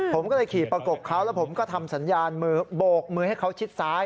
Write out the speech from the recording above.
ผมก็เลยขี่ประกบเขาแล้วผมก็ทำสัญญาณมือโบกมือให้เขาชิดซ้าย